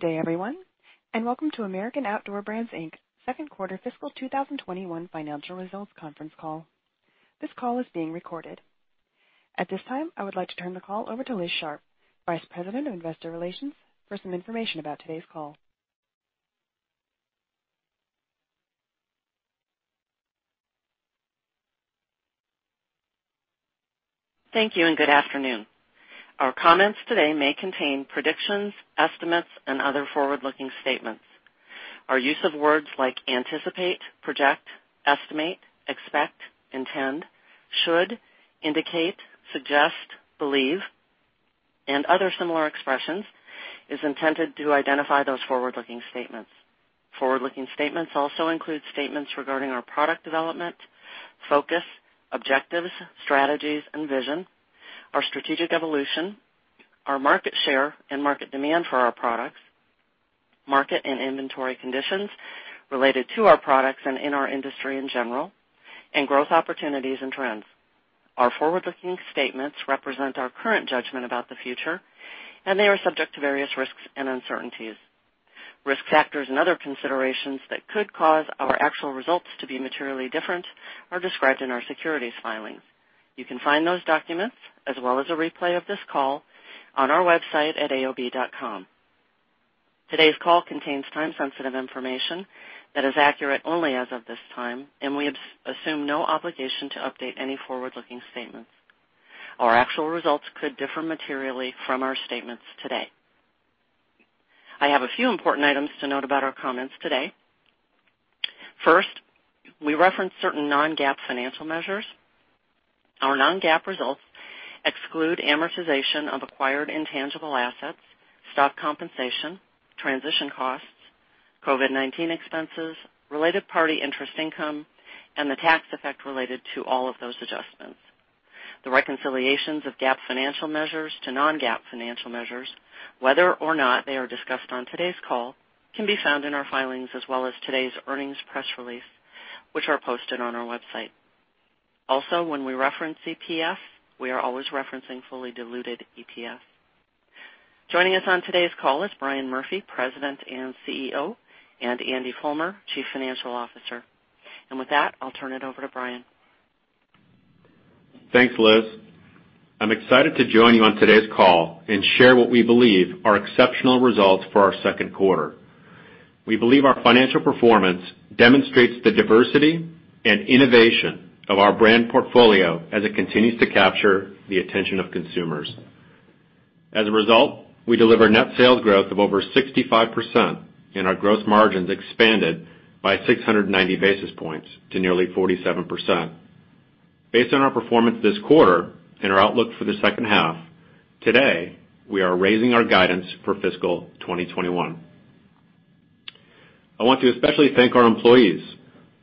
Good day, everyone, and welcome to American Outdoor Brands, Inc.'s second quarter fiscal 2021 financial results conference call. This call is being recorded. At this time, I would like to turn the call over to Elizabeth Sharp, Vice President of Investor Relations, for some information about today's call. Thank you, and good afternoon. Our comments today may contain predictions, estimates, and other forward-looking statements. Our use of words like anticipate, project, estimate, expect, intend, should, indicate, suggest, believe, and other similar expressions is intended to identify those forward-looking statements. Forward-looking statements also include statements regarding our product development, focus, objectives, strategies, and vision, our strategic evolution, our market share and market demand for our products, market and inventory conditions related to our products and in our industry in general, and growth opportunities and trends. Our forward-looking statements represent our current judgment about the future, and they are subject to various risks and uncertainties. Risk factors and other considerations that could cause our actual results to be materially different are described in our securities filings. You can find those documents, as well as a replay of this call, on our website at aob.com. Today's call contains time-sensitive information that is accurate only as of this time, and we assume no obligation to update any forward-looking statements. Our actual results could differ materially from our statements today. I have a few important items to note about our comments today. First, we reference certain non-GAAP financial measures. Our non-GAAP results exclude amortization of acquired intangible assets, stock compensation, transition costs, COVID-19 expenses, related party interest income, and the tax effect related to all of those adjustments. The reconciliations of GAAP financial measures to non-GAAP financial measures, whether or not they are discussed on today's call, can be found in our filings as well as today's earnings press release, which are posted on our website. Also, when we reference EPS, we are always referencing fully diluted EPS. Joining us on today's call is Brian D. Murphy, President and CEO, and Andrew Fulmer, Chief Financial Officer. With that, I'll turn it over to Brian. Thanks, Elizabeth. I'm excited to join you on today's call and share what we believe are exceptional results for our second quarter. We believe our financial performance demonstrates the diversity and innovation of our brand portfolio as it continues to capture the attention of consumers. As a result, we delivered net sales growth of over 65%, and our gross margins expanded by 690 basis points to nearly 47%. Based on our performance this quarter and our outlook for the second half, today, we are raising our guidance for fiscal 2021. I want to especially thank our employees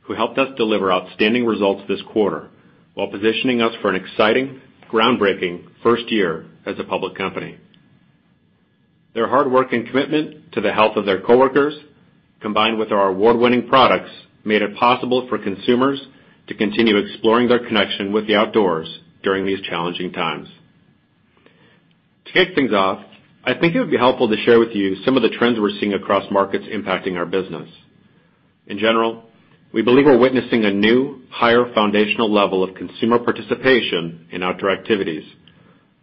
who helped us deliver outstanding results this quarter while positioning us for an exciting, groundbreaking first year as a public company. Their hard work and commitment to the health of their coworkers, combined with our award-winning products, made it possible for consumers to continue exploring their connection with the outdoors during these challenging times. To kick things off, I think it would be helpful to share with you some of the trends we're seeing across markets impacting our business. In general, we believe we're witnessing a new, higher foundational level of consumer participation in outdoor activities,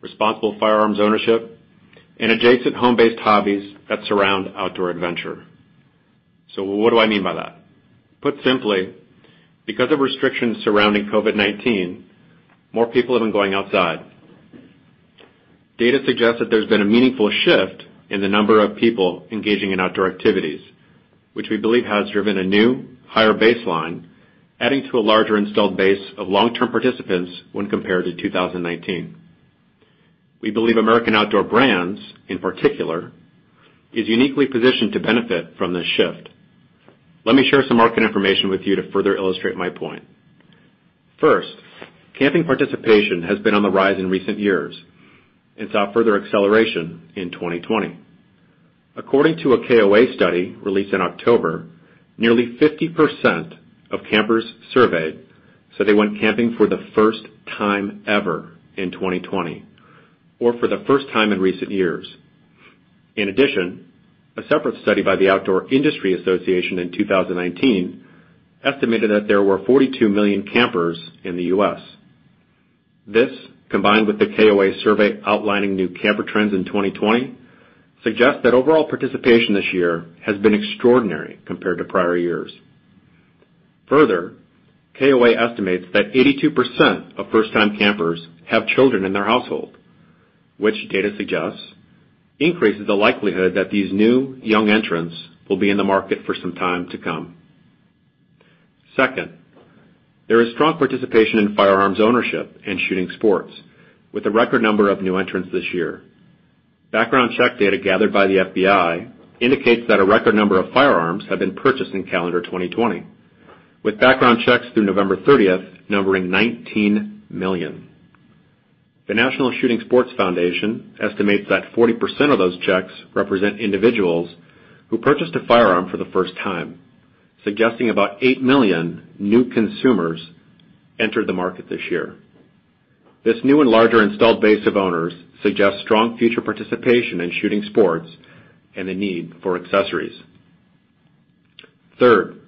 responsible firearms ownership, and adjacent home-based hobbies that surround outdoor adventure. What do I mean by that? Put simply, because of restrictions surrounding COVID-19, more people have been going outside. Data suggests that there's been a meaningful shift in the number of people engaging in outdoor activities, which we believe has driven a new, higher baseline, adding to a larger installed base of long-term participants when compared to 2019. We believe American Outdoor Brands, in particular, is uniquely positioned to benefit from this shift. Let me share some market information with you to further illustrate my point. First, camping participation has been on the rise in recent years and saw further acceleration in 2020. According to a KOA study released in October, nearly 50% of campers surveyed said they went camping for the first time ever in 2020 or for the first time in recent years. In addition, a separate study by the Outdoor Industry Association in 2019 estimated that there were 42 million campers in the U.S. This, combined with the KOA survey outlining new camper trends in 2020, suggests that overall participation this year has been extraordinary compared to prior years. Further, KOA estimates that 82% of first-time campers have children in their household, which data suggests increases the likelihood that these new, young entrants will be in the market for some time to come. Second, there is strong participation in firearms ownership and shooting sports, with a record number of new entrants this year. Background check data gathered by the FBI indicates that a record number of firearms have been purchased in calendar 2020, with background checks through November 30th numbering 19 million. The National Shooting Sports Foundation estimates that 40% of those checks represent individuals who purchased a firearm for the first time, suggesting about eight million new consumers entered the market this year. This new and larger installed base of owners suggests strong future participation in shooting sports and the need for accessories. Third,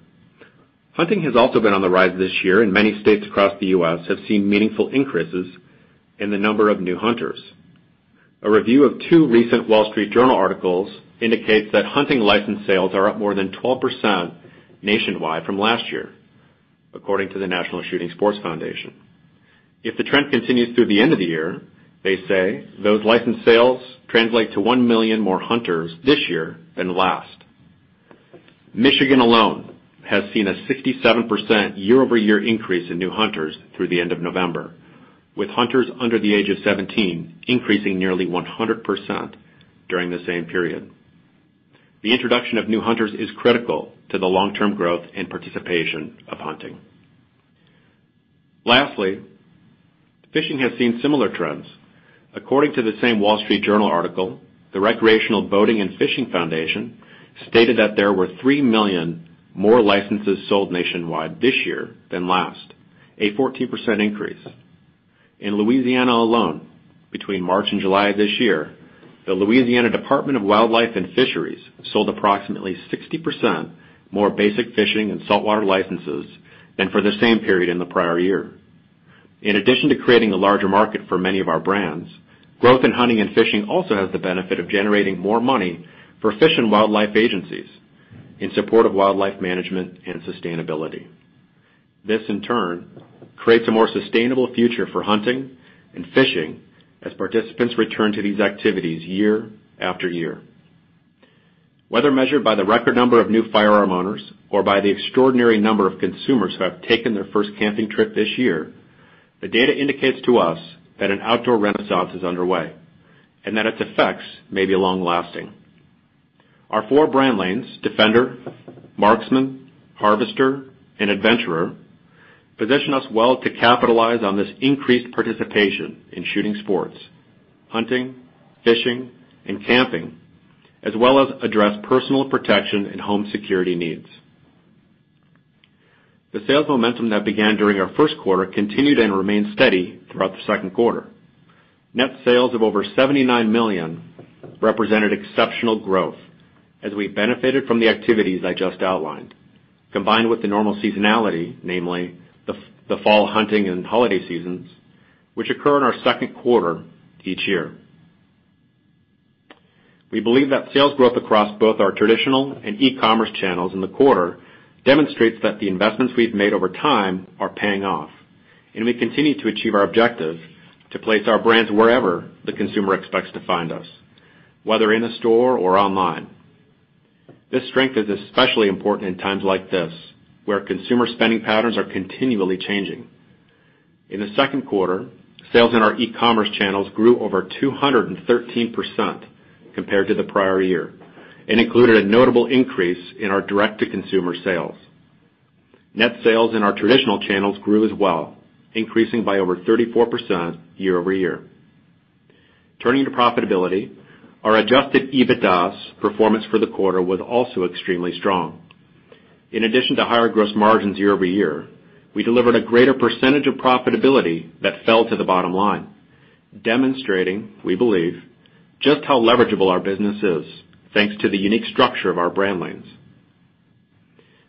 hunting has also been on the rise this year. Many states across the U.S. have seen meaningful increases in the number of new hunters. A review of two recent Wall Street Journal articles indicates that hunting license sales are up more than 12% nationwide from last year, according to the National Shooting Sports Foundation. If the trend continues through the end of the year, they say, those license sales translate to one million more hunters this year than last. Michigan alone has seen a 67% year-over-year increase in new hunters through the end of November, with hunters under the age of 17 increasing nearly 100% during the same period. The introduction of new hunters is critical to the long-term growth and participation of hunting. Lastly, fishing has seen similar trends. According to the same The Wall Street Journal article, the Recreational Boating & Fishing Foundation stated that there were three million more licenses sold nationwide this year than last, a 14% increase. In Louisiana alone, between March and July of this year, the Louisiana Department of Wildlife and Fisheries sold approximately 60% more basic fishing and saltwater licenses than for the same period in the prior year. In addition to creating a larger market for many of our brands, growth in hunting and fishing also has the benefit of generating more money for fish and wildlife agencies in support of wildlife management and sustainability. This, in turn, creates a more sustainable future for hunting and fishing as participants return to these activities year after year. Whether measured by the record number of new firearm owners or by the extraordinary number of consumers who have taken their first camping trip this year, the data indicates to us that an outdoor renaissance is underway and that its effects may be long-lasting. Our four brand lanes, Defender, Marksman, Harvester, and Adventurer, position us well to capitalize on this increased participation in shooting sports, hunting, fishing, and camping, as well as address personal protection and home security needs. The sales momentum that began during our first quarter continued and remained steady throughout the second quarter. Net sales of over $79 million represented exceptional growth as we benefited from the activities I just outlined, combined with the normal seasonality, namely the fall hunting and holiday seasons, which occur in our second quarter each year. We believe that sales growth across both our traditional and e-commerce channels in the quarter demonstrates that the investments we've made over time are paying off, and we continue to achieve our objective to place our brands wherever the consumer expects to find us, whether in a store or online. This strength is especially important in times like this, where consumer spending patterns are continually changing. In the second quarter, sales in our e-commerce channels grew over 213% compared to the prior year and included a notable increase in our direct-to-consumer sales. Net sales in our traditional channels grew as well, increasing by over 34% year-over-year. Turning to profitability, our adjusted EBITDA performance for the quarter was also extremely strong. In addition to higher gross margins year-over-year, we delivered a greater percentage of profitability that fell to the bottom line, demonstrating, we believe, just how leverageable our business is, thanks to the unique structure of our brand lanes.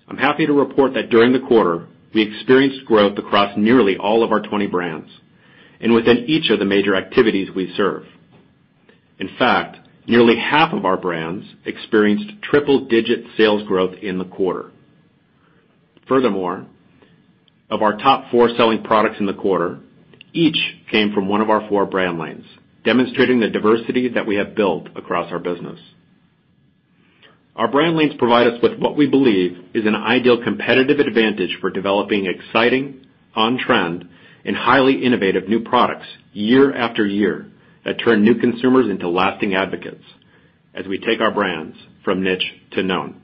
I'm happy to report that during the quarter, we experienced growth across nearly all of our 20 brands and within each of the major activities we serve. In fact, nearly half of our brands experienced triple-digit sales growth in the quarter. Furthermore, of our top four selling products in the quarter, each came from one of our four brand lanes, demonstrating the diversity that we have built across our business. Our brand lanes provide us with what we believe is an ideal competitive advantage for developing exciting, on-trend, and highly innovative new products year after year that turn new consumers into lasting advocates as we take our brands from niche to known.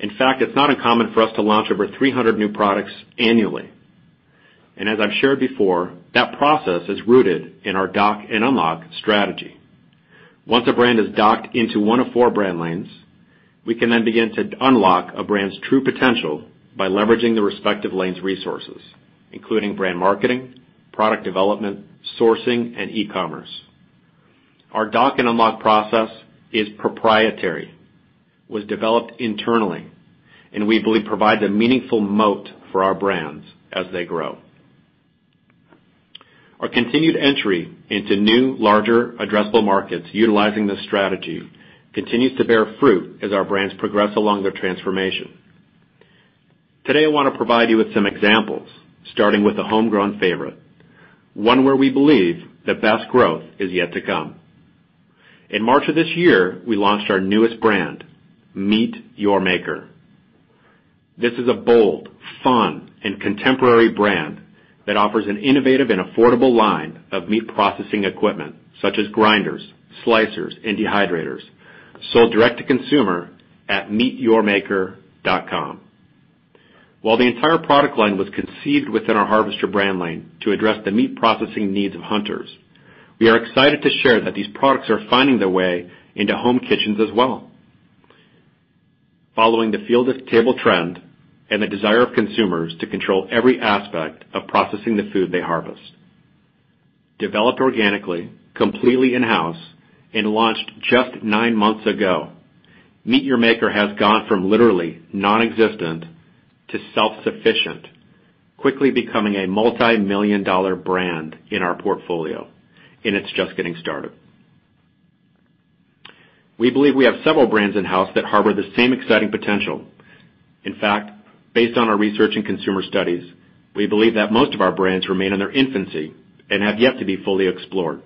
In fact, it's not uncommon for us to launch over 300 new products annually. As I've shared before, that process is rooted in our Dock and Unlock strategy. Once a brand is docked into one of four brand lanes, we can then begin to unlock a brand's true potential by leveraging the respective lane's resources, including brand marketing, product development, sourcing, and e-commerce. Our Dock and Unlock process is proprietary, was developed internally, and we believe provides a meaningful moat for our brands as they grow. Our continued entry into new, larger addressable markets utilizing this strategy continues to bear fruit as our brands progress along their transformation. Today, I want to provide you with some examples, starting with a homegrown favorite, one where we believe the best growth is yet to come. In March of this year, we launched our newest brand, MEAT! Your Maker. This is a bold, fun, and contemporary brand that offers an innovative and affordable line of meat processing equipment, such as grinders, slicers, and dehydrators, sold direct to consumer at meetyourmaker.com. While the entire product line was conceived within our Harvester brand lane to address the meat processing needs of hunters, we are excited to share that these products are finding their way into home kitchens as well, following the field-to-table trend and the desire of consumers to control every aspect of processing the food they harvest. Developed organically, completely in-house, and launched just nine months ago, MEAT! Your Maker has gone from literally nonexistent to self-sufficient, quickly becoming a multimillion-dollar brand in our portfolio, and it's just getting started. We believe we have several brands in-house that harbor the same exciting potential. In fact, based on our research and consumer studies, we believe that most of our brands remain in their infancy and have yet to be fully explored.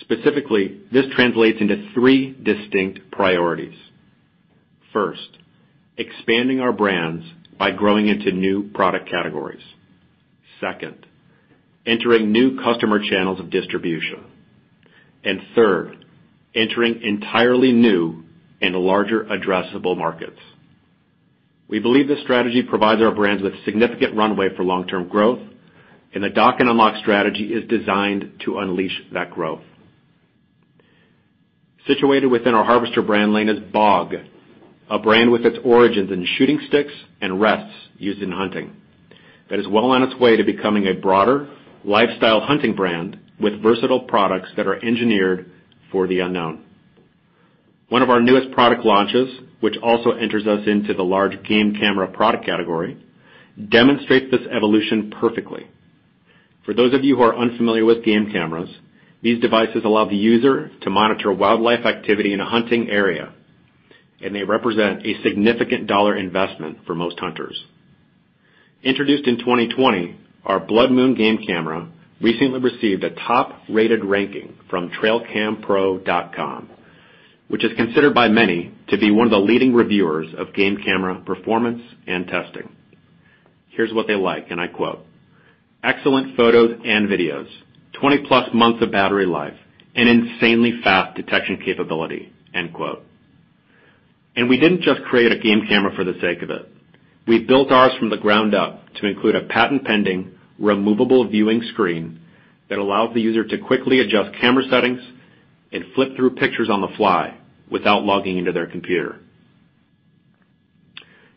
Specifically, this translates into three distinct priorities. First, expanding our brands by growing into new product categories. Second, entering new customer channels of distribution. Third, entering entirely new and larger addressable markets. We believe this strategy provides our brands with significant runway for long-term growth, and the Dock and Unlock strategy is designed to unleash that growth. Situated within our Harvester brand lane is BOG, a brand with its origins in shooting sticks and rests used in hunting that is well on its way to becoming a broader lifestyle hunting brand with versatile products that are engineered for the unknown. One of our newest product launches, which also enters us into the large game camera product category, demonstrates this evolution perfectly. For those of you who are unfamiliar with game cameras, these devices allow the user to monitor wildlife activity in a hunting area, and they represent a significant dollar investment for most hunters. Introduced in 2020, our Blood Moon game camera recently received a top-rated ranking from trailcampro.com, which is considered by many to be one of the leading reviewers of game camera performance and testing. Here's what they like, and I quote, "Excellent photos and videos, 20+ months of battery life, and insanely fast detection capability." We didn't just create a game camera for the sake of it. We built ours from the ground up to include a patent-pending removable viewing screen that allows the user to quickly adjust camera settings and flip through pictures on the fly without logging into their computer.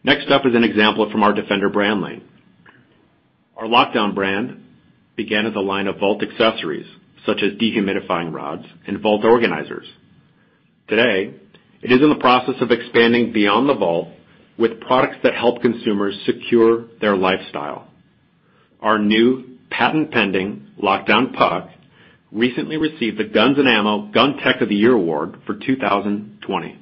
Next up is an example from our Defender brand lane. Our Lockdown brand began as a line of vault accessories, such as dehumidifying rods and vault organizers. Today, it is in the process of expanding beyond the vault with products that help consumers secure their lifestyle. Our new patent-pending Lockdown Puck recently received the Guns & Ammo Gun Tech of the Year award for 2020.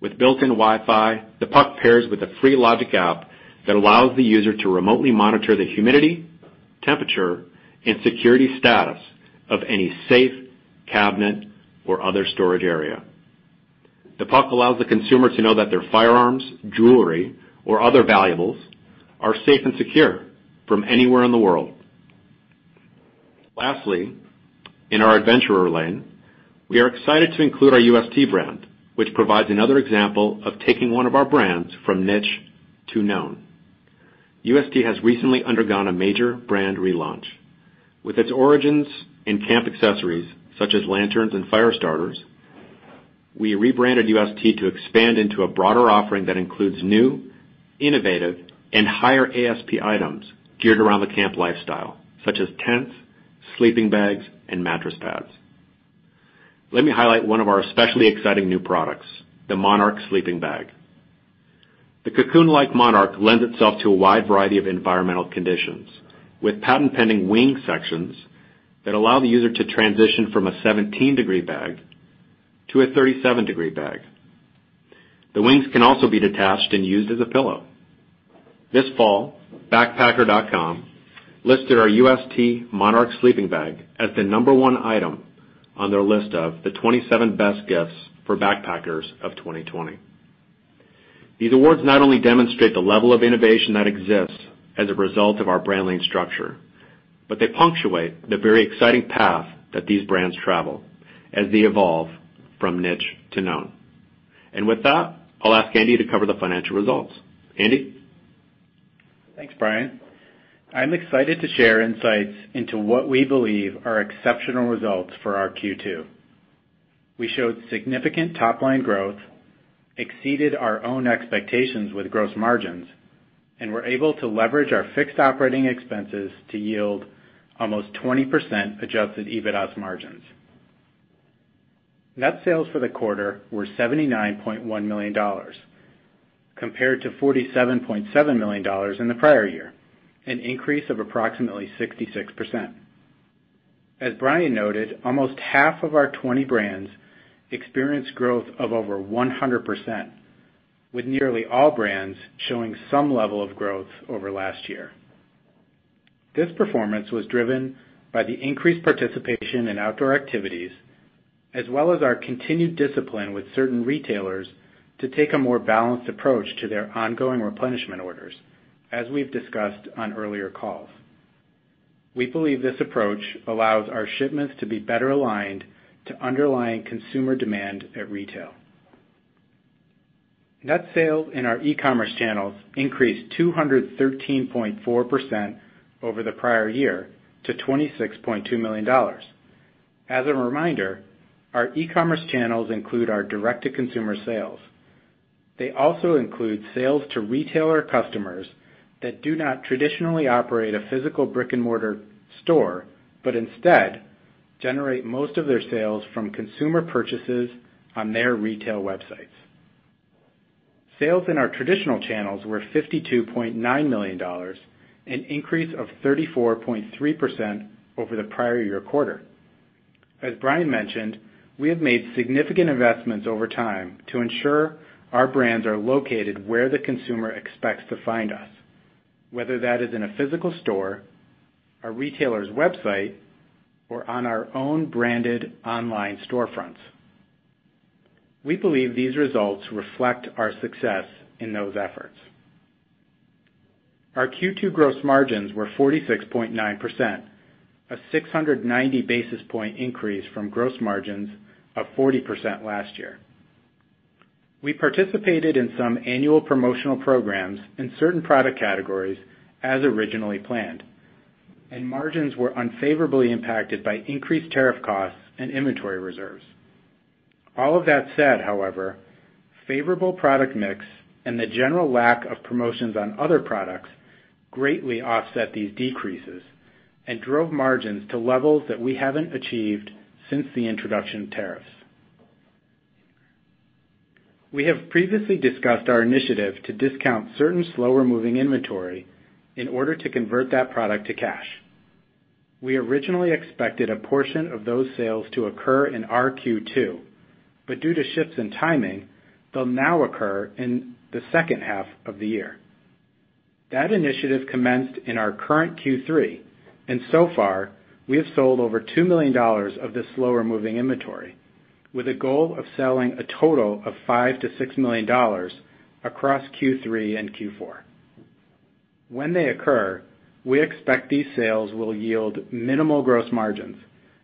With built-in Wi-Fi, the Puck pairs with a free Lockdown Logic app that allows the user to remotely monitor the humidity, temperature, and security status of any safe, cabinet, or other storage area. The Puck allows the consumer to know that their firearms, jewelry, or other valuables are safe and secure from anywhere in the world. Lastly, in our Adventurer lane, we are excited to include our ust brand, which provides another example of taking one of our brands from niche to known. ust has recently undergone a major brand relaunch. With its origins in camp accessories, such as lanterns and fire starters, we rebranded ust to expand into a broader offering that includes new, innovative, and higher ASP items geared around the camp lifestyle, such as tents, sleeping bags, and mattress pads. Let me highlight one of our especially exciting new products, the Monarch sleeping bag. The cocoon-like Monarch lends itself to a wide variety of environmental conditions, with patent-pending wing sections that allow the user to transition from a 17-degree bag to a 37-degree bag. The wings can also be detached and used as a pillow. This fall, Backpacker.com listed our ust Monarch sleeping bag as the number one item on their list of the 27 best gifts for backpackers of 2020. These awards not only demonstrate the level of innovation that exists as a result of our brand lane structure, but they punctuate the very exciting path that these brands travel as they evolve from niche to known. With that, I'll ask Andy to cover the financial results. Andy? Thanks, Brian. I'm excited to share insights into what we believe are exceptional results for our Q2. We showed significant top-line growth, exceeded our own expectations with gross margins, and were able to leverage our fixed operating expenses to yield almost 20% adjusted EBITDA margins. Net sales for the quarter were $79.1 million, compared to $47.7 million in the prior year, an increase of approximately 66%. As Brian noted, almost half of our 20 brands experienced growth of over 100%, with nearly all brands showing some level of growth over last year. This performance was driven by the increased participation in outdoor activities, as well as our continued discipline with certain retailers to take a more balanced approach to their ongoing replenishment orders, as we've discussed on earlier calls. We believe this approach allows our shipments to be better aligned to underlying consumer demand at retail. Net sales in our e-commerce channels increased 213.4% over the prior year to $26.2 million. As a reminder, our e-commerce channels include our direct-to-consumer sales. They also include sales to retailer customers that do not traditionally operate a physical brick and mortar store, but instead generate most of their sales from consumer purchases on their retail websites. Sales in our traditional channels were $52.9 million, an increase of 34.3% over the prior year quarter. As Brian mentioned, we have made significant investments over time to ensure our brands are located where the consumer expects to find us, whether that is in a physical store, a retailer's website, or on our own branded online storefronts. We believe these results reflect our success in those efforts. Our Q2 gross margins were 46.9%, a 690 basis point increase from gross margins of 40% last year. We participated in some annual promotional programs in certain product categories as originally planned, and margins were unfavorably impacted by increased tariff costs and inventory reserves. All of that said, however, favorable product mix and the general lack of promotions on other products greatly offset these decreases and drove margins to levels that we haven't achieved since the introduction of tariffs. We have previously discussed our initiative to discount certain slower moving inventory in order to convert that product to cash. We originally expected a portion of those sales to occur in our Q2, but due to shifts in timing, they'll now occur in the second half of the year. That initiative commenced in our current Q3, and so far, we have sold over $2 million of this slower moving inventory with a goal of selling a total of $5 million-$6 million across Q3 and Q4. When they occur, we expect these sales will yield minimal gross margins,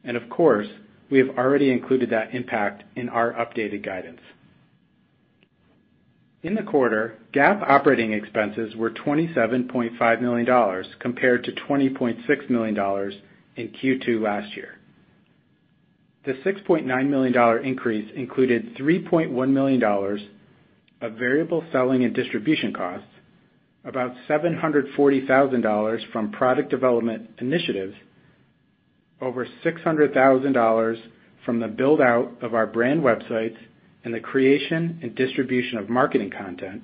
of course, we have already included that impact in our updated guidance. In the quarter, GAAP operating expenses were $27.5 million compared to $20.6 million in Q2 last year. The $6.9 million increase included $3.1 million of variable selling and distribution costs, about $740,000 from product development initiatives, over $600,000 from the build-out of our brand websites, and the creation and distribution of marketing content,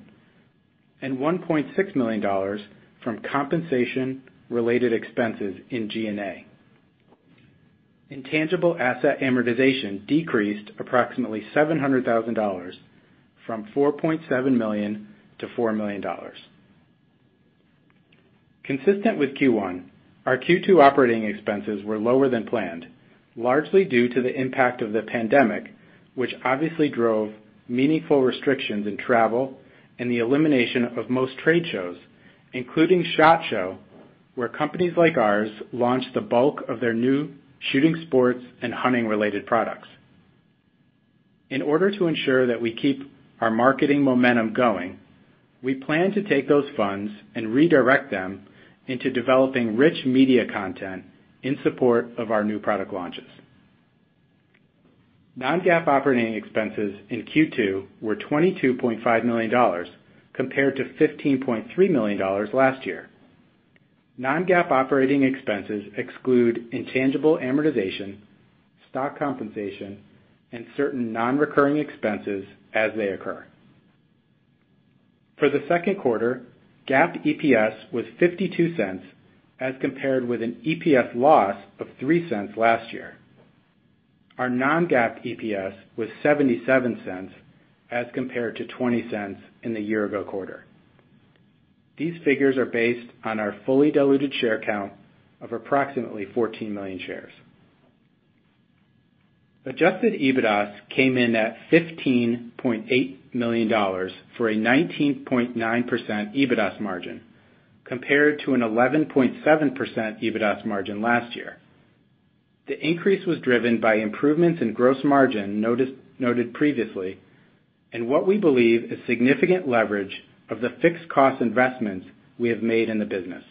and $1.6 million from compensation-related expenses in G&A. Intangible asset amortization decreased approximately $700,000 from $4.7 million-$4 million. Consistent with Q1, our Q2 operating expenses were lower than planned, largely due to the impact of the pandemic, which obviously drove meaningful restrictions in travel and the elimination of most trade shows, including SHOT Show, where companies like ours launch the bulk of their new shooting sports and hunting related products. In order to ensure that we keep our marketing momentum going, we plan to take those funds and redirect them into developing rich media content in support of our new product launches. Non-GAAP operating expenses in Q2 were $22.5 million compared to $15.3 million last year. Non-GAAP operating expenses exclude intangible amortization, stock compensation, and certain non-recurring expenses as they occur. For the second quarter, GAAP EPS was $0.52 as compared with an EPS loss of $0.03 last year. Our non-GAAP EPS was $0.77 as compared to $0.20 in the year ago quarter. These figures are based on our fully diluted share count of approximately 14 million shares. Adjusted EBITDA came in at $15.8 million for a 19.9% EBITDA margin compared to an 11.7% EBITDA margin last year. The increase was driven by improvements in gross margin noted previously and what we believe is significant leverage of the fixed cost investments we have made in the business.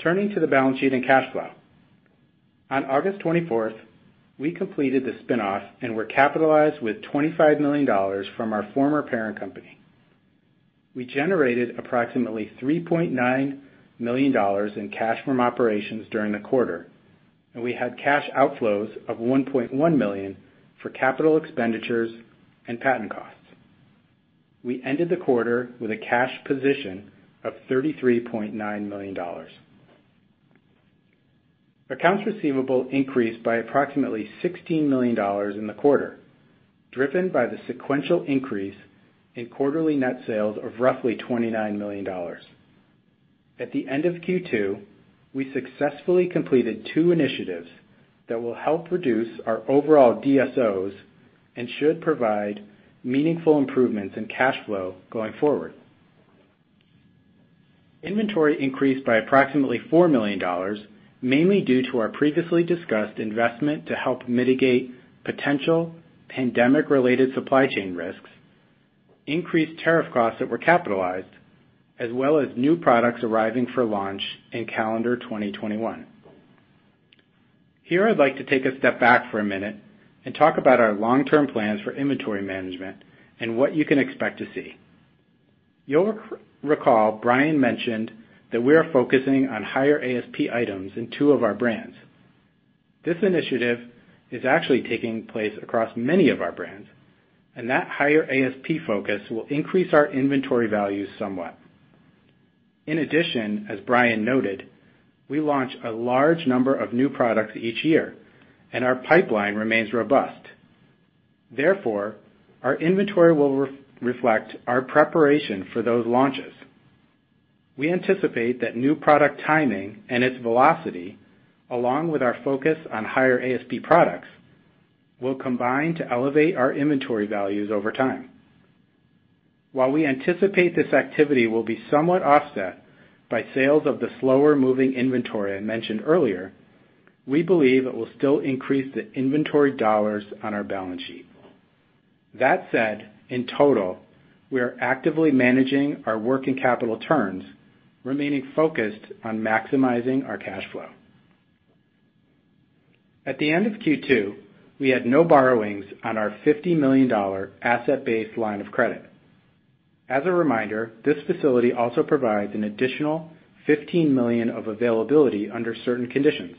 Turning to the balance sheet and cash flow. On August 24th, we completed the spinoff and were capitalized with $25 million from our former parent company. We generated approximately $3.9 million in cash from operations during the quarter, and we had cash outflows of $1.1 million for capital expenditures and patent costs. We ended the quarter with a cash position of $33.9 million. Accounts receivable increased by approximately $16 million in the quarter, driven by the sequential increase in quarterly net sales of roughly $29 million. At the end of Q2, we successfully completed two initiatives that will help reduce our overall DSOs and should provide meaningful improvements in cash flow going forward. Inventory increased by approximately $4 million, mainly due to our previously discussed investment to help mitigate potential pandemic related supply chain risks. Increased tariff costs that were capitalized, as well as new products arriving for launch in calendar 2021. Here, I'd like to take a step back for a minute and talk about our long-term plans for inventory management and what you can expect to see. You'll recall Brian mentioned that we are focusing on higher ASP items in two of our brands. This initiative is actually taking place across many of our brands, and that higher ASP focus will increase our inventory values somewhat. In addition, as Brian noted, we launch a large number of new products each year, and our pipeline remains robust. Therefore, our inventory will reflect our preparation for those launches. We anticipate that new product timing and its velocity, along with our focus on higher ASP products, will combine to elevate our inventory values over time. While we anticipate this activity will be somewhat offset by sales of the slower-moving inventory I mentioned earlier, we believe it will still increase the inventory dollars on our balance sheet. That said, in total, we are actively managing our working capital turns, remaining focused on maximizing our cash flow. At the end of Q2, we had no borrowings on our $50 million asset-based line of credit. As a reminder, this facility also provides an additional $15 million of availability under certain conditions.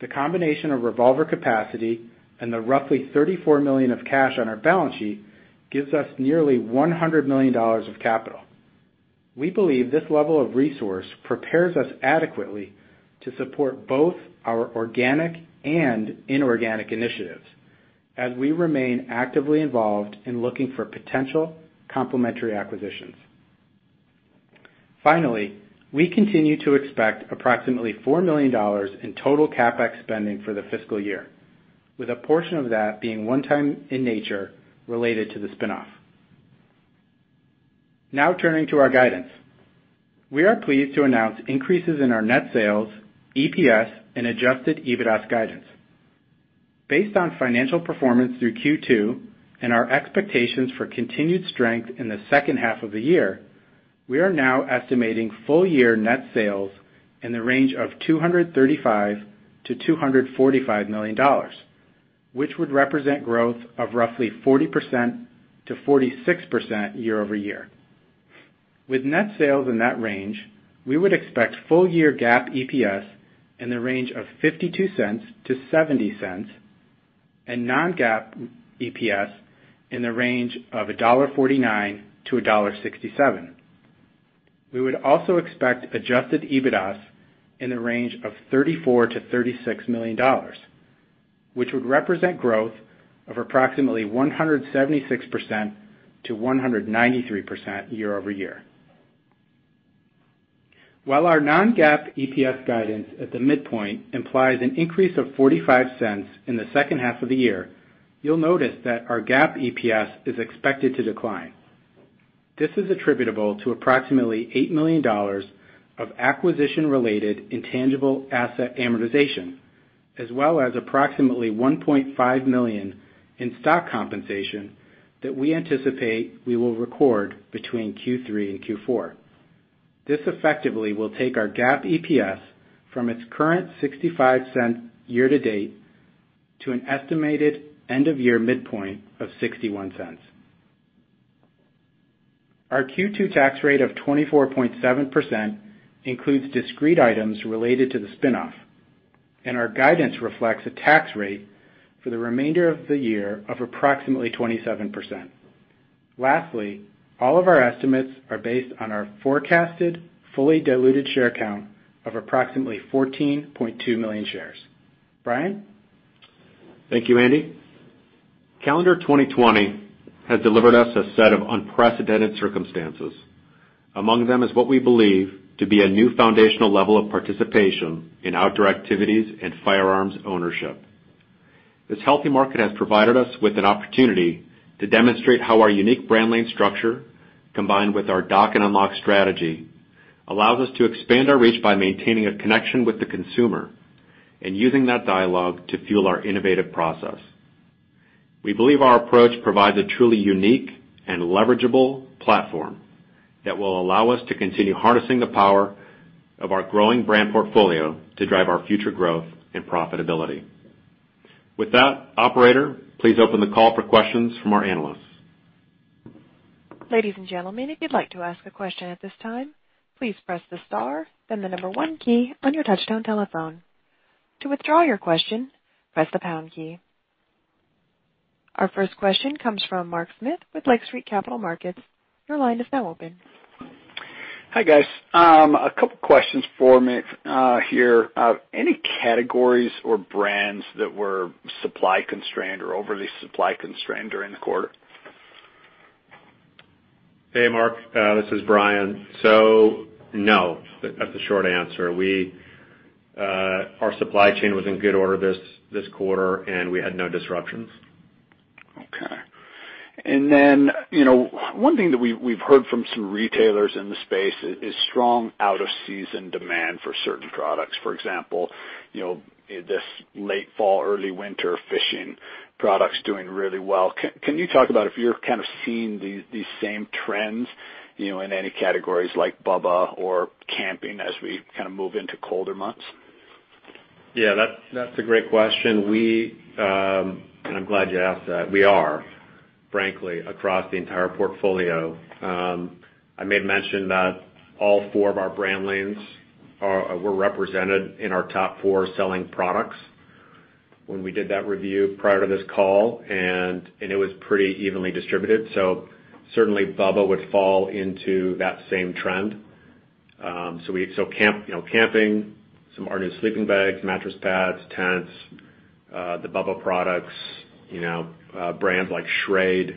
The combination of revolver capacity and the roughly $34 million of cash on our balance sheet gives us nearly $100 million of capital. We believe this level of resource prepares us adequately to support both our organic and inorganic initiatives as we remain actively involved in looking for potential complementary acquisitions. Finally, we continue to expect approximately $4 million in total CapEx spending for the fiscal year, with a portion of that being one time in nature related to the spin-off. Now turning to our guidance. We are pleased to announce increases in our net sales, EPS, and adjusted EBITDA guidance. Based on financial performance through Q2 and our expectations for continued strength in the second half of the year, we are now estimating full-year net sales in the range of $235 million-$245 million, which would represent growth of roughly 40%-46% year-over-year. With net sales in that range, we would expect full-year GAAP EPS in the range of $0.52-$0.70 and non-GAAP EPS in the range of $1.49-$1.67. We would also expect adjusted EBITDA in the range of $34 million-$36 million, which would represent growth of approximately 176%-193% year-over-year. While our non-GAAP EPS guidance at the midpoint implies an increase of $0.45 in the second half of the year, you'll notice that our GAAP EPS is expected to decline. This is attributable to approximately $8 million of acquisition-related intangible asset amortization, as well as approximately $1.5 million in stock compensation that we anticipate we will record between Q3 and Q4. This effectively will take our GAAP EPS from its current $0.65 year to date to an estimated end of year midpoint of $0.61. Our Q2 tax rate of 24.7% includes discrete items related to the spin-off, and our guidance reflects a tax rate for the remainder of the year of approximately 27%. Lastly, all of our estimates are based on our forecasted fully diluted share count of approximately 14.2 million shares. Brian? Thank you, Andy. Calendar 2020 has delivered us a set of unprecedented circumstances. Among them is what we believe to be a new foundational level of participation in outdoor activities and firearms ownership. This healthy market has provided us with an opportunity to demonstrate how our unique brand lane structure, combined with our Dock and Unlock strategy, allows us to expand our reach by maintaining a connection with the consumer and using that dialogue to fuel our innovative process. We believe our approach provides a truly unique and leverageable platform that will allow us to continue harnessing the power of our growing brand portfolio to drive our future growth and profitability. With that, operator, please open the call for questions from our analysts. Ladies and gentlemen. If you'd like to ask a question at this time, please press the star, then the number one key on your touch-tone telephone. To withdraw your question, press the pound key. Our first question comes from Mark Smith with Lake Street Capital Markets. Your line is now open. Hi, guys. A couple questions for me here. Any categories or brands that were supply constrained or overly supply constrained during the quarter? Hey, Mark. This is Brian. No. That's the short answer. Our supply chain was in good order this quarter, and we had no disruptions. One thing that we've heard from some retailers in the space is strong out-of-season demand for certain products. For example, this late fall, early winter fishing products doing really well. Can you talk about if you're kind of seeing these same trends, in any categories like BUBBA or camping as we kind of move into colder months? Yeah, that's a great question. I'm glad you asked that. We are, frankly, across the entire portfolio. I may have mentioned that all four of our brand lanes were represented in our top four selling products when we did that review prior to this call, and it was pretty evenly distributed. Certainly BUBBA would fall into that same trend. Camping, some of our new sleeping bags, mattress pads, tents, the BUBBA products, brands like Schrade,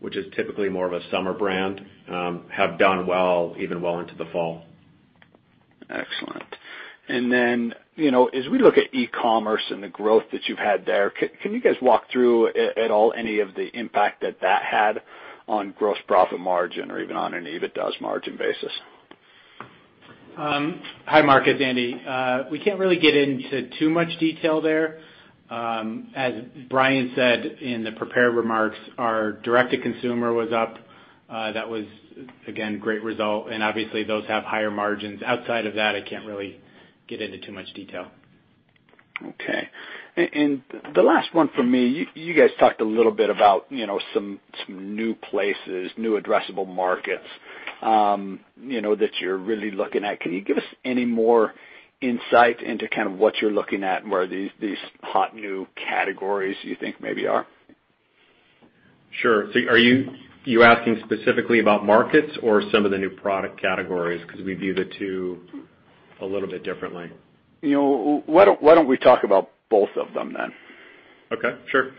which is typically more of a summer brand, have done well, even well into the fall. Excellent. As we look at e-commerce and the growth that you've had there, can you guys walk through at all any of the impact that that had on gross profit margin or even on an EBITDA margin basis? Hi, Mark, it's Andy. We can't really get into too much detail there. As Brian said in the prepared remarks, our direct-to-consumer was up. That was, again, great result, and obviously those have higher margins. Outside of that, I can't really get into too much detail. Okay. The last one from me, you guys talked a little bit about some new places, new addressable markets that you're really looking at. Can you give us any more insight into kind of what you're looking at and where these hot new categories you think maybe are? Sure. Are you asking specifically about markets or some of the new product categories? Because we view the two a little bit differently. Why don't we talk about both of them then? Okay, sure.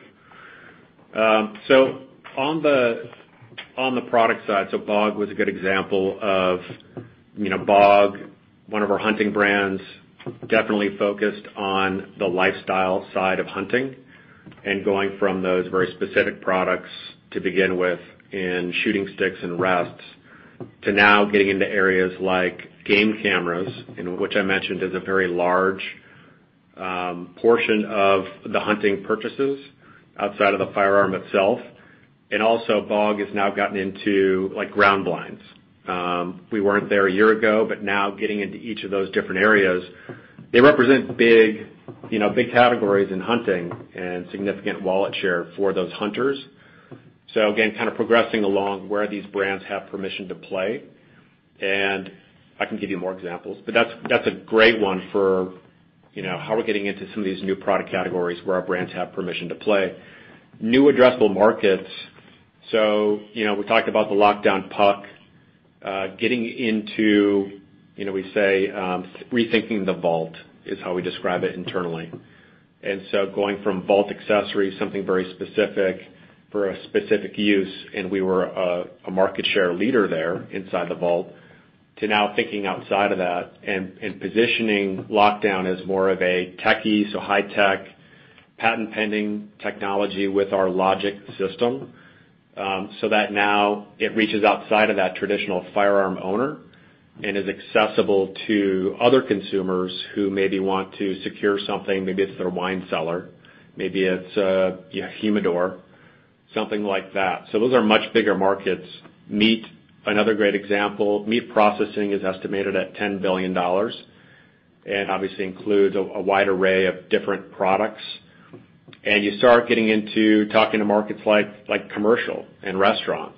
On the product side, BOG was a good example, one of our hunting brands, definitely focused on the lifestyle side of hunting and going from those very specific products to begin with in shooting sticks and rests, to now getting into areas like game cameras, which I mentioned is a very large portion of the hunting purchases outside of the firearm itself. Also BOG has now gotten into ground blinds. We weren't there a year ago, now getting into each of those different areas. They represent big categories in hunting and significant wallet share for those hunters. Again, kind of progressing along where these brands have permission to play. I can give you more examples. That's a great one for how we're getting into some of these new product categories where our brands have permission to play. New addressable markets. We talked about the Lockdown Puck. Getting into, we say, rethinking the vault is how we describe it internally. Going from vault accessories, something very specific for a specific use, and we were a market share leader there inside the vault, to now thinking outside of that and positioning Lockdown Puck as more of a techie, so high tech, patent pending technology with our Logic system. That now it reaches outside of that traditional firearm owner and is accessible to other consumers who maybe want to secure something. Maybe it's their wine cellar, maybe it's a humidor, something like that. Those are much bigger markets. MEAT! Your Maker, another great example. Meat processing is estimated at $10 billion and obviously includes a wide array of different products. You start getting into talking to markets like commercial and restaurants.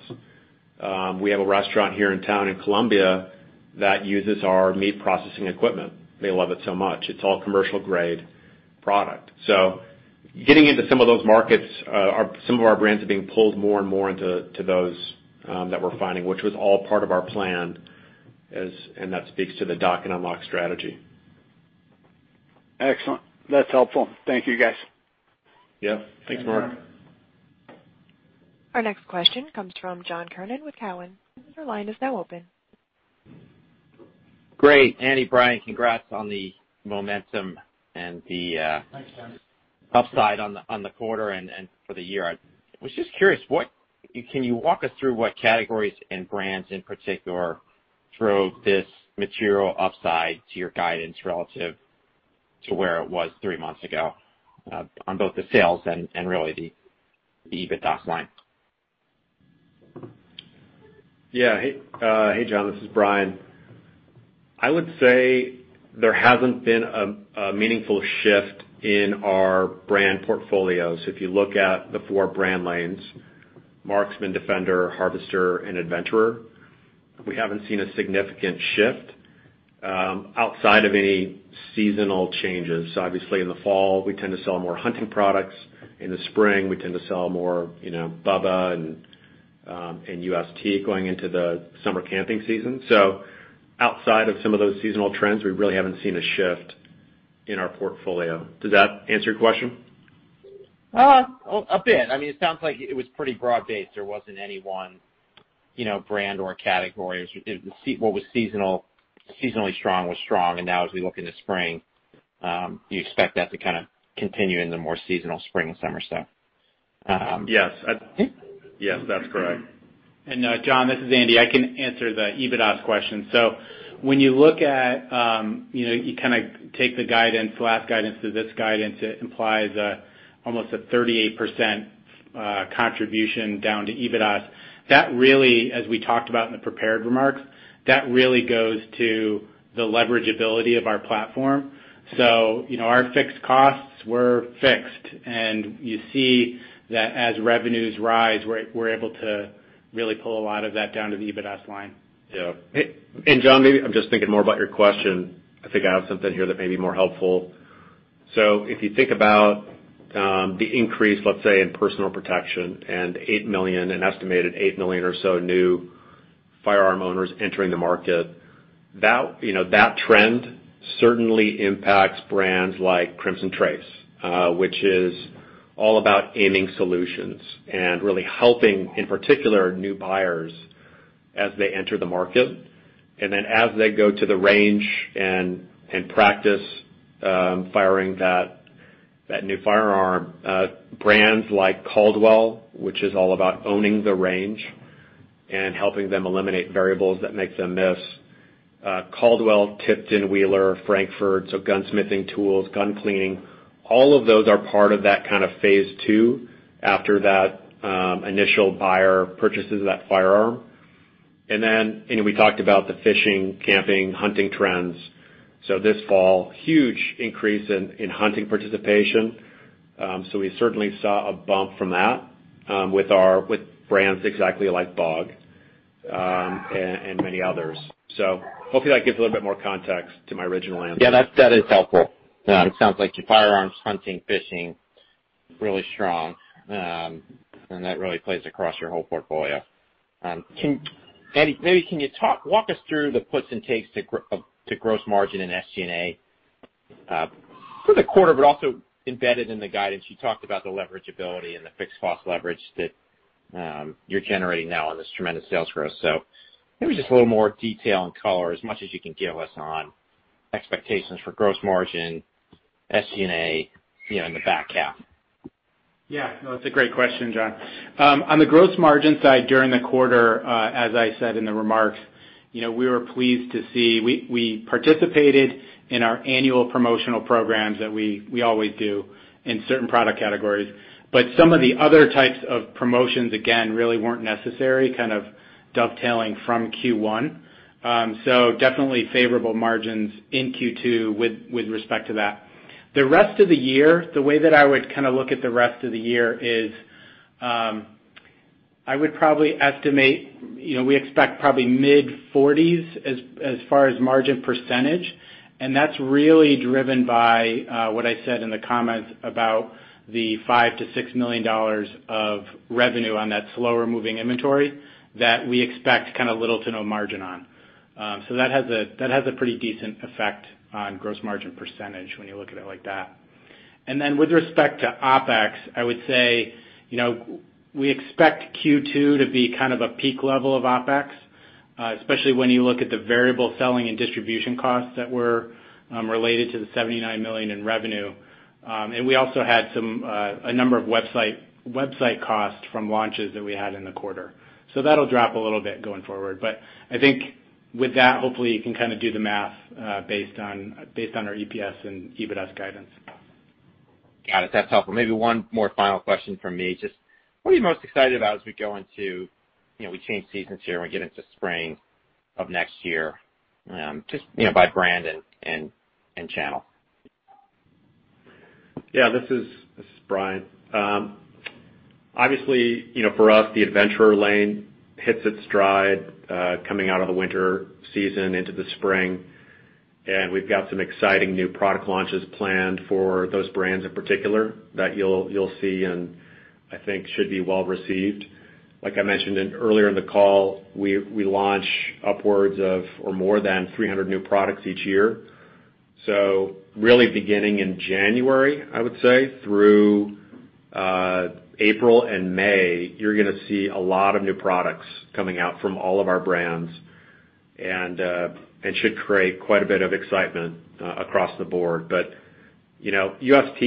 We have a restaurant here in town in Columbia that uses our meat processing equipment. They love it so much. It's all commercial grade product. Getting into some of those markets, some of our brands are being pulled more and more into those that we're finding, which was all part of our plan. That speaks to the Dock and Unlock strategy. Excellent. That's helpful. Thank you, guys. Yeah. Thanks, Mark. Thanks, Mark. Our next question comes from John Kernan with Cowen. Your line is now open. Great. Andy, Brian, congrats on the momentum. Thanks, John. Also upside on the quarter and for the year. I was just curious, can you walk us through what categories and brands in particular drove this material upside to your guidance relative to where it was three months ago, on both the sales and really the EBITDA line? Hey, John, this is Brian. I would say there hasn't been a meaningful shift in our brand portfolios. If you look at the four brand lanes, Marksman, Defender, Harvester, and Adventurer, we haven't seen a significant shift, outside of any seasonal changes. Obviously in the fall, we tend to sell more hunting products. In the spring, we tend to sell more BUBBA and ust going into the summer camping season. Outside of some of those seasonal trends, we really haven't seen a shift in our portfolio. Does that answer your question? A bit. It sounds like it was pretty broad-based. There wasn't any one brand or category, what was seasonally strong was strong. Now as we look into spring, you expect that to kind of continue in the more seasonal spring and summer. Yes. Yes, that's correct. John, this is Andy. I can answer the EBITDA question. When you look at, take the last guidance to this guidance, it implies almost a 38% contribution down to EBITDA. As we talked about in the prepared remarks, that really goes to the leverageability of our platform. Our fixed costs were fixed, and you see that as revenues rise, we're able to really pull a lot of that down to the EBITDA line. Yeah. John, maybe, I'm just thinking more about your question. I think I have something here that may be more helpful. If you think about the increase, let's say, in personal protection and an estimated eight million or so new firearm owners entering the market, that trend certainly impacts brands like Crimson Trace, which is all about aiming solutions and really helping, in particular, new buyers as they enter the market. Then as they go to the range and practice firing that new firearm, brands like Caldwell, which is all about owning the range and helping them eliminate variables that make them miss. Caldwell, Tipton, Wheeler, Frankford Arsenal. Gunsmithing tools, gun cleaning, all of those are part of that kind of phase 2 after that initial buyer purchases that firearm. Then, we talked about the fishing, camping, hunting trends. This fall, huge increase in hunting participation. We certainly saw a bump from that, with brands exactly like BOG, and many others. Hopefully that gives a little bit more context to my original answer. Yeah, that is helpful. It sounds like your firearms, hunting, fishing, really strong. That really plays across your whole portfolio. Andy, maybe can you walk us through the puts and takes to gross margin in SG&A for the quarter, but also embedded in the guidance? You talked about the leverageability and the fixed cost leverage that you're generating now on this tremendous sales growth. Maybe just a little more detail and color, as much as you can give us on expectations for gross margin, SG&A, in the back half. No, that's a great question, John. On the gross margin side during the quarter, as I said in the remarks, we were pleased to see we participated in our annual promotional programs that we always do in certain product categories, but some of the other types of promotions, again, really weren't necessary, kind of dovetailing from Q1. Definitely favorable margins in Q2 with respect to that. The rest of the year, the way that I would kind of look at the rest of the year is, I would probably estimate, we expect probably mid-40%s as far as margin percentage, and that's really driven by what I said in the comments about the $5 million-$6 million of revenue on that slower-moving inventory that we expect kind of little to no margin on. That has a pretty decent effect on gross margin percentage when you look at it like that. Then with respect to OpEx, I would say, we expect Q2 to be kind of a peak level of OpEx, especially when you look at the variable selling and distribution costs that were related to the $79 million in revenue. We also had a number of website costs from launches that we had in the quarter. That'll drop a little bit going forward, but I think with that, hopefully you can kind of do the math, based on our EPS and EBITDA guidance. Got it. That's helpful. Maybe one more final question from me. Just, what are you most excited about as we change seasons here when we get into spring of next year, just by brand and channel? Yeah, this is Brian. Obviously, for us, the Adventurer lane hits its stride, coming out of the winter season into the spring. We've got some exciting new product launches planned for those brands in particular that you'll see and I think should be well-received. Like I mentioned earlier in the call, we launch upwards of or more than 300 new products each year. Really beginning in January, I would say, through April and May, you're going to see a lot of new products coming out from all of our brands and should create quite a bit of excitement across the board. ust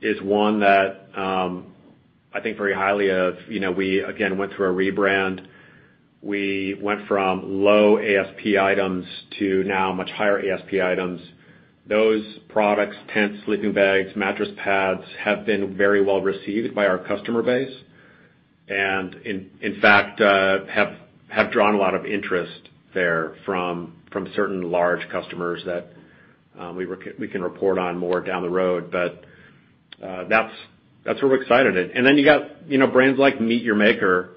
is one that I think very highly of. We, again, went through a rebrand. We went from low ASP items to now much higher ASP items. Those products, tents, sleeping bags, mattress pads, have been very well-received by our customer base. In fact, have drawn a lot of interest there from certain large customers that we can report on more down the road. Then you got brands like MEAT! Your Maker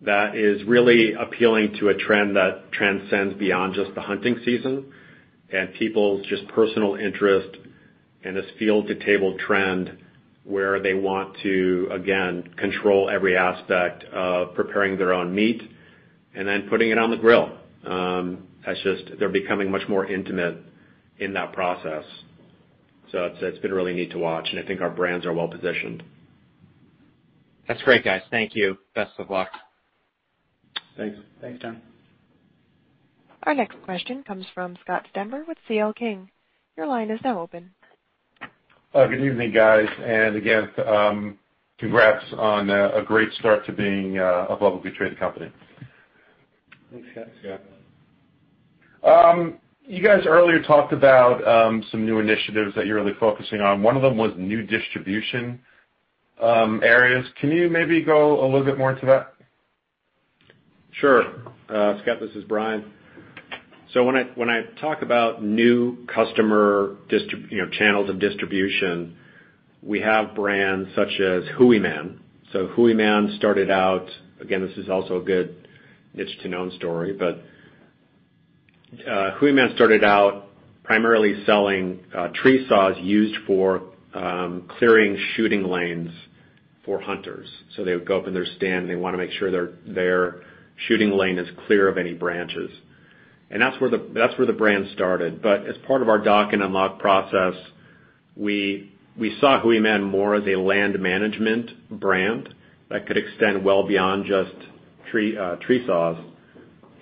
that is really appealing to a trend that transcends beyond just the hunting season and people's just personal interest in this field-to-table trend where they want to, again, control every aspect of preparing their own meat and then putting it on the grill. They're becoming much more intimate in that process. It's been really neat to watch, and I think our brands are well-positioned. That's great, guys. Thank you. Best of luck. Thanks. Thanks, John. Our next question comes from Scott Stember with C.L. King & Associates. Your line is now open. Good evening, guys. Again, congrats on a great start to being a publicly traded company. Thanks, Scott. Yeah. You guys earlier talked about some new initiatives that you are really focusing on. One of them was new distribution areas. Can you maybe go a little bit more into that? Sure. Scott, this is Brian. When I talk about new customer channels of distribution, we have brands such as Hooyman. Hooyman started out, again, this is also a good niche to known story, Hooyman started out primarily selling tree saws used for clearing shooting lanes for hunters. That's where the brand started. As part of our Dock and Unlock process, we saw Hooyman more as a land management brand that could extend well beyond just tree saws.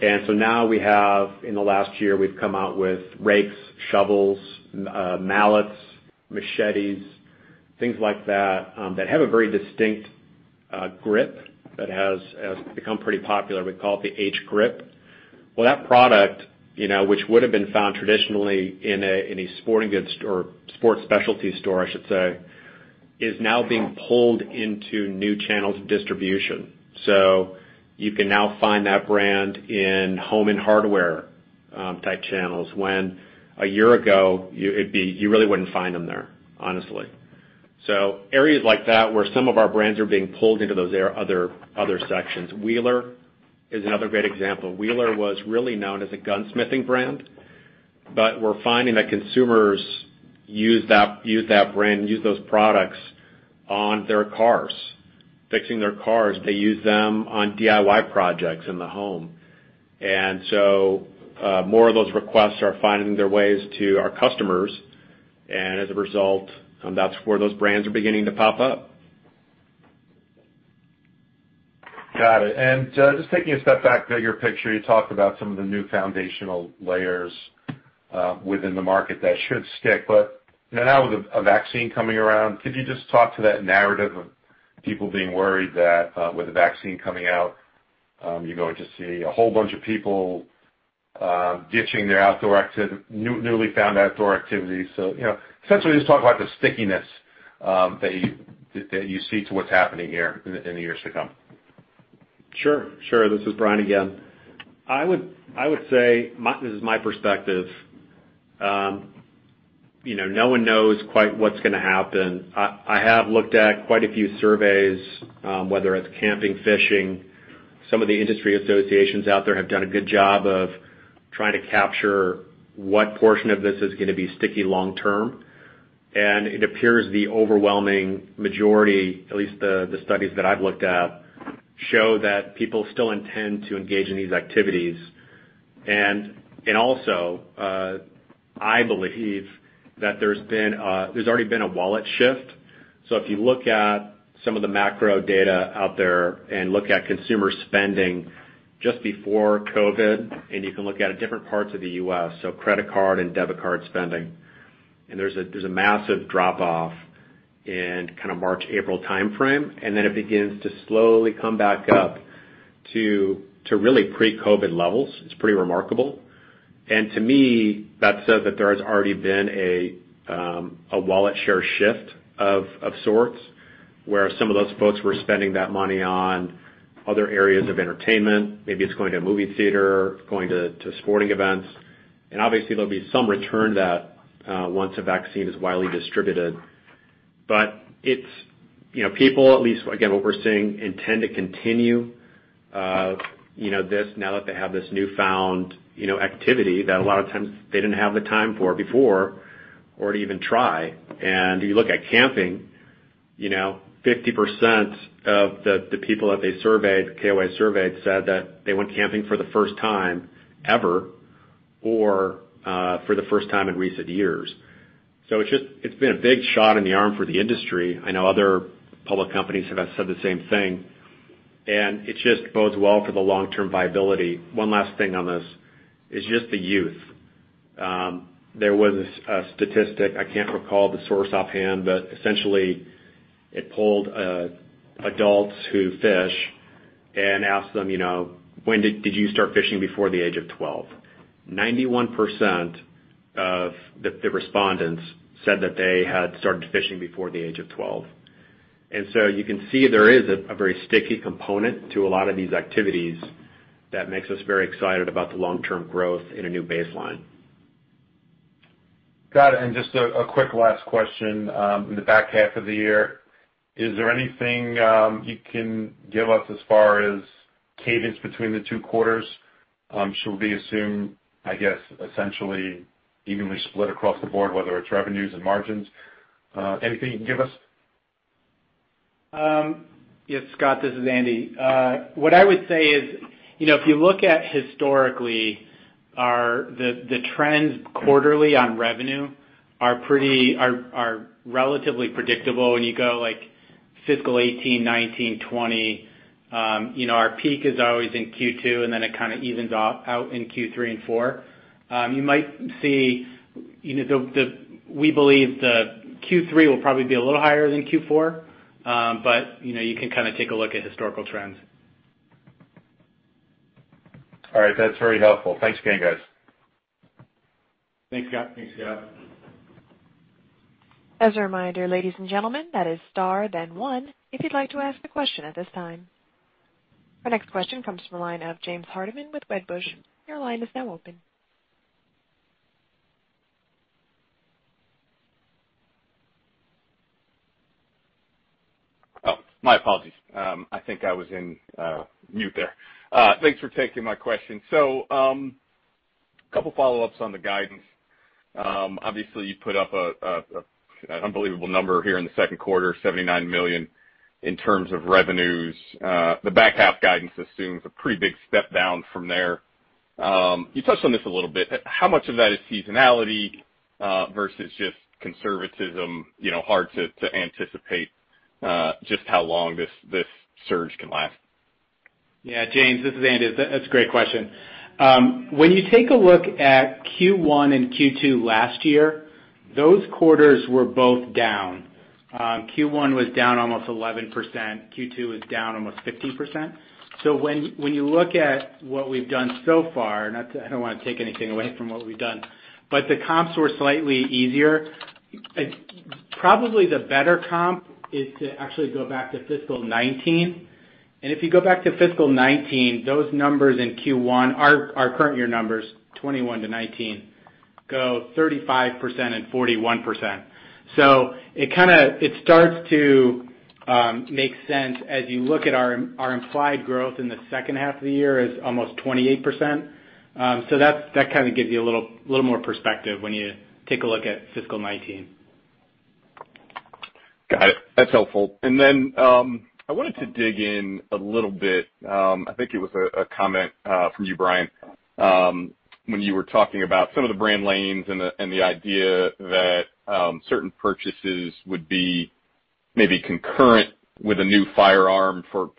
Now we have, in the last year, we've come out with rakes, shovels, mallets, machetes, things like that have a very distinct grip that has become pretty popular. We call it the H-Grip. That product, which would've been found traditionally in a sporting goods or sports specialty store, I should say, is now being pulled into new channels of distribution. You can now find that brand in home and hardware-type channels, when a year ago, you really wouldn't find them there, honestly. Areas like that where some of our brands are being pulled into those other sections. Wheeler is another great example. Wheeler was really known as a gunsmithing brand, but we're finding that consumers use that brand, use those products on their cars, fixing their cars. They use them on DIY projects in the home. More of those requests are finding their ways to our customers. As a result, that's where those brands are beginning to pop up. Got it. Just taking a step back, bigger picture, you talked about some of the new foundational layers within the market that should stick, but now with a vaccine coming around, could you just talk to that narrative of people being worried that, with the vaccine coming out, you're going to see a whole bunch of people ditching their newly found outdoor activities. Essentially just talk about the stickiness that you see to what's happening here in the years to come. Sure. This is Brian again. I would say, this is my perspective, no one knows quite what's going to happen. I have looked at quite a few surveys, whether it's camping, fishing. Some of the industry associations out there have done a good job of trying to capture what portion of this is going to be sticky long-term, and it appears the overwhelming majority, at least the studies that I've looked at, show that people still intend to engage in these activities. Also, I believe that there's already been a wallet shift. If you look at some of the macro data out there and look at consumer spending just before COVID-19, and you can look at different parts of the U.S., so credit card and debit card spending, and there's a massive drop-off in March, April timeframe, and then it begins to slowly come back up to really pre-COVID-19 levels. It's pretty remarkable. To me, that says that there has already been a wallet share shift of sorts, where some of those folks were spending that money on other areas of entertainment. Maybe it's going to a movie theater, going to sporting events. Obviously, there'll be some return to that once a vaccine is widely distributed. People, at least again, what we're seeing, intend to continue this now that they have this newfound activity that a lot of times they didn't have the time for before or to even try. You look at camping, 50% of the people that they surveyed, that KOA surveyed, said that they went camping for the first time ever or for the first time in recent years. It's been a big shot in the arm for the industry. I know other public companies have said the same thing, and it just bodes well for the long-term viability. One last thing on this is just the youth. There was a statistic, I can't recall the source offhand, but essentially it polled adults who fish and asked them, "Did you start fishing before the age of 12?" 91% of the respondents said that they had started fishing before the age of 12. You can see there is a very sticky component to a lot of these activities that makes us very excited about the long-term growth in a new baseline. Got it. Just a quick last question. In the back half of the year, is there anything you can give us as far as cadence between the two quarters? Should we assume, I guess, essentially evenly split across the board, whether it's revenues and margins? Anything you can give us? Yes, Scott, this is Andy. What I would say is, if you look at historically, the trends quarterly on revenue are relatively predictable. When you go fiscal 2018, 2019, 2020, our peak is always in Q2, it kind of evens out in Q3 and Q4. We believe that Q3 will probably be a little higher than Q4. You can take a look at historical trends. All right. That's very helpful. Thanks again, guys. Thanks, Scott. Thanks, Scott. As a reminder, ladies and gentlemen, that is star then one if you'd like to ask a question at this time. Our next question comes from the line of James Hardiman with Wedbush. Oh, my apologies. I think I was in mute there. Thanks for taking my question. A couple follow-ups on the guidance. Obviously, you put up an unbelievable number here in the second quarter, $79 million in terms of revenues. The back half guidance assumes a pretty big step down from there. You touched on this a little bit, how much of that is seasonality, versus just conservatism, hard to anticipate, just how long this surge can last? Yeah, James, this is Andy. That's a great question. You take a look at Q1 and Q2 last year, those quarters were both down. Q1 was down almost 11%. Q2 was down almost 15%. When you look at what we've done so far, I don't want to take anything away from what we've done. The comps were slightly easier. Probably the better comp is to actually go back to fiscal 2019. If you go back to fiscal 2019, those numbers in Q1 are current year numbers 21%-19%, go 35% and 41%. It starts to make sense as you look at our implied growth in the second half of the year is almost 28%. That kind of gives you a little more perspective when you take a look at fiscal 2019. Got it. That's helpful. I wanted to dig in a little bit. I think it was a comment from you, Brian, when you were talking about some of the brand lanes and the idea that certain purchases would be maybe concurrent with a new firearm for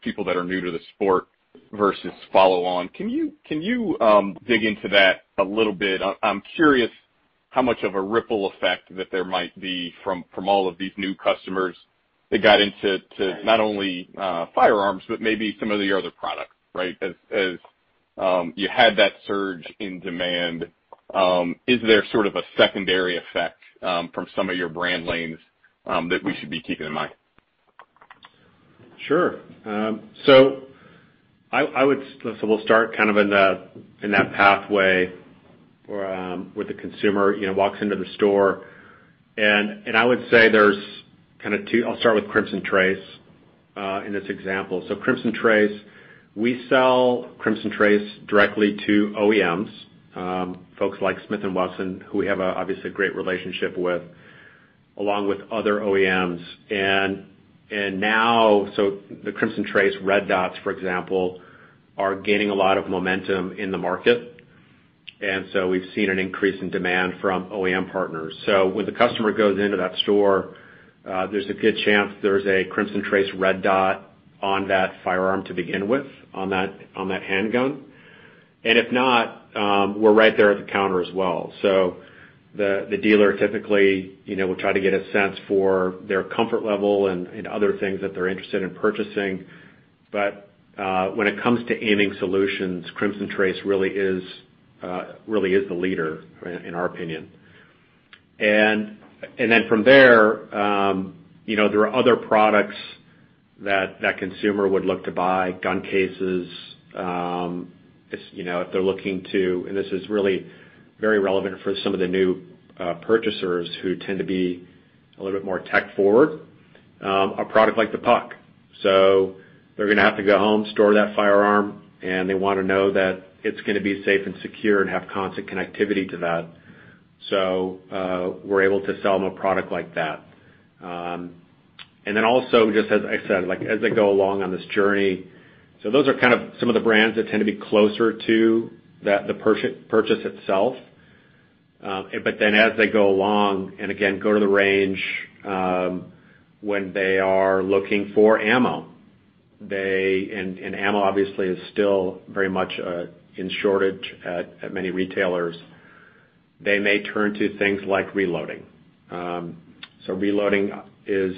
people that are new to the sport versus follow on. Can you dig into that a little bit? I'm curious how much of a ripple effect that there might be from all of these new customers that got into not only firearms, but maybe some of your other products, right? As you had that surge in demand, is there sort of a secondary effect from some of your brand lanes that we should be keeping in mind? Sure. We'll start kind of in that pathway, where the consumer walks into the store, and I would say there's kind of two. I'll start with Crimson Trace, in this example. Crimson Trace, we sell Crimson Trace directly to OEMs. Folks like Smith & Wesson, who we have obviously a great relationship with, along with other OEMs. Now, the Crimson Trace red dots, for example, are gaining a lot of momentum in the market. We've seen an increase in demand from OEM partners. When the customer goes into that store, there's a good chance there's a Crimson Trace red dot on that firearm to begin with, on that handgun. If not, we're right there at the counter as well. The dealer typically will try to get a sense for their comfort level and other things that they're interested in purchasing. When it comes to aiming solutions, Crimson Trace really is the leader in our opinion. From there are other products that consumer would look to buy, gun cases, if they're looking to, and this is really very relevant for some of the new purchasers who tend to be a little bit more tech forward, a product like the Puck. They're going to have to go home, store that firearm, and they want to know that it's going to be safe and secure and have constant connectivity to that. We're able to sell them a product like that. Also, just as I said, as they go along on this journey, so those are kind of some of the brands that tend to be closer to the purchase itself. As they go along, and again, go to the range, when they are looking for ammo, and ammo obviously is still very much in shortage at many retailers. They may turn to things like reloading. Reloading is,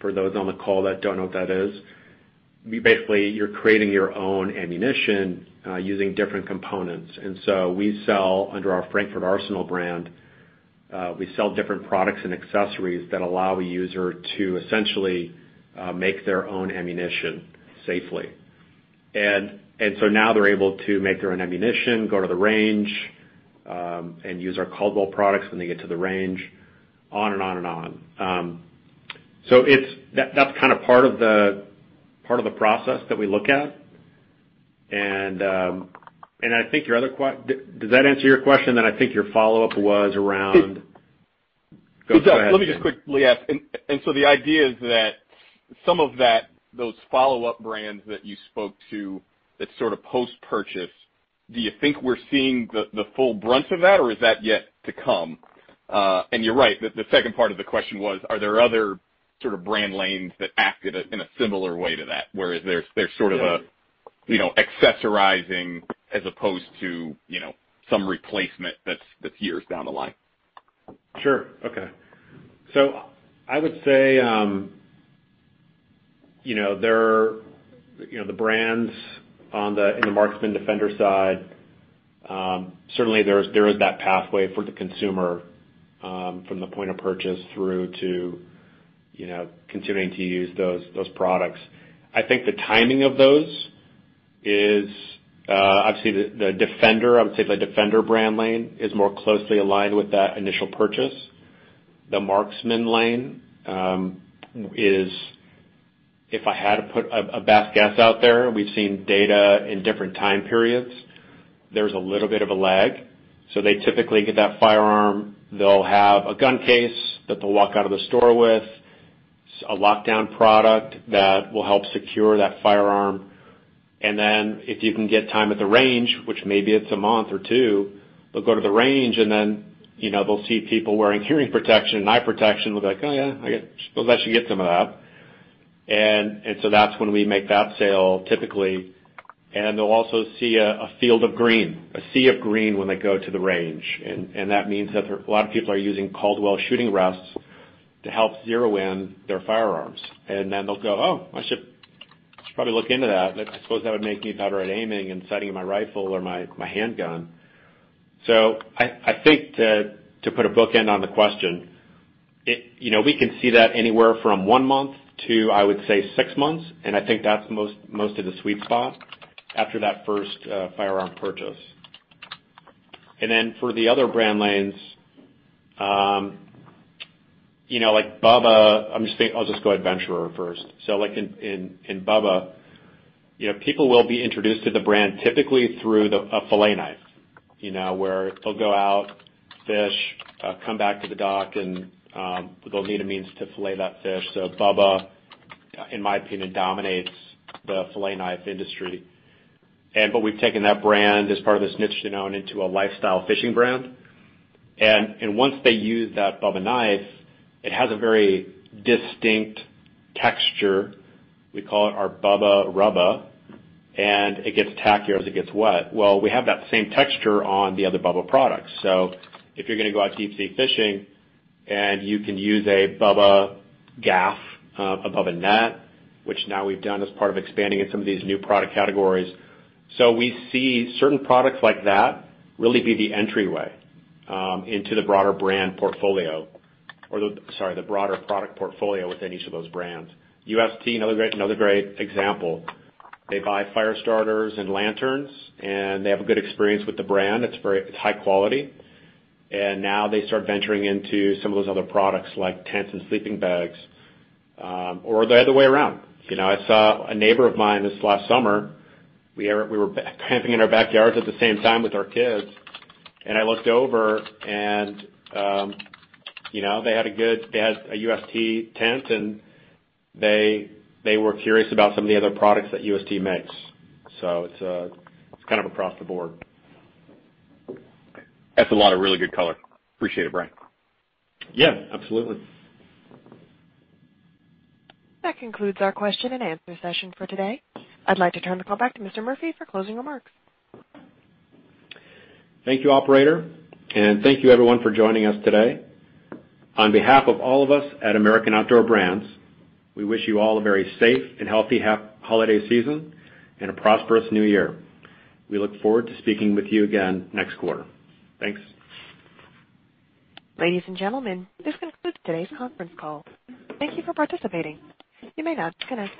for those on the call that don't know what that is, basically you're creating your own ammunition, using different components. We sell under our Frankford Arsenal brand. We sell different products and accessories that allow a user to essentially make their own ammunition safely. Now they're able to make their own ammunition, go to the range, and use our Caldwell products when they get to the range, on and on. That's kind of part of the process that we look at. Does that answer your question? Go ahead. Let me just quickly ask. The idea is that some of those follow-up brands that you spoke to that sort of post-purchase, do you think we're seeing the full brunt of that or is that yet to come? You're right, the second part of the question was, are there other sort of brand lanes that act in a similar way to that, where there's sort of an accessorizing as opposed to some replacement that's years down the line? Sure. Okay. I would say the brands in the Marksman, Defender side, certainly there is that pathway for the consumer from the point of purchase through to continuing to use those products. I think the timing of those is, obviously, the Defender brand lane is more closely aligned with that initial purchase. The Marksman lane is, if I had to put a best guess out there, we've seen data in different time periods. There's a little bit of a lag. They typically get that firearm, they'll have a gun case that they'll walk out of the store with, a Lockdown product that will help secure that firearm. Then if you can get time at the range, which maybe it's a month or two, they'll go to the range and then they'll see people wearing hearing protection, eye protection. They'll be like, "Oh, yeah, I suppose I should get some of that." That's when we make that sale, typically. They'll also see a field of green, a sea of green when they go to the range. That means that a lot of people are using Caldwell shooting rests to help zero in their firearms. They'll go, "Oh, I should probably look into that. I suppose that would make me better at aiming and sighting my rifle or my handgun." I think to put a bookend on the question, we can see that anywhere from one month to, I would say, six months, and I think that's most of the sweet spot after that first firearm purchase. For the other brand lanes, like BUBBA, I'll just go Adventurer first. In BUBBA, people will be introduced to the brand typically through a filet knife, where they'll go out, fish, come back to the dock, and they'll need a means to filet that fish. BUBBA, in my opinion, dominates the filet knife industry. We've taken that brand as part of this niche into a lifestyle fishing brand. Once they use that BUBBA knife, it has a very distinct texture. We call it our BUBBA-RUBBA, and it gets tackier as it gets wet. Well, we have that same texture on the other BUBBA products. If you're going to go out deep-sea fishing and you can use a BUBBA gaff, a BUBBA net, which now we've done as part of expanding in some of these new product categories. We see certain products like that really be the entryway into the broader brand portfolio, or, sorry, the broader product portfolio within each of those brands. UST, another great example. They buy fire starters and lanterns, and they have a good experience with the brand. It's high quality. Now they start venturing into some of those other products, like tents and sleeping bags, or the other way around. I saw a neighbor of mine this last summer, we were camping in our backyards at the same time with our kids, and I looked over and they had a good UST tent, and they were curious about some of the other products that UST makes. It's kind of across the board. That's a lot of really good color. Appreciate it, Brian. Yeah, absolutely. That concludes our question and answer session for today. I'd like to turn the call back to Mr. Murphy for closing remarks. Thank you, operator, and thank you everyone for joining us today. On behalf of all of us at American Outdoor Brands, we wish you all a very safe and healthy holiday season and a prosperous new year. We look forward to speaking with you again next quarter. Thanks. Ladies and gentlemen, this concludes today's conference call. Thank you for participating. You may now disconnect.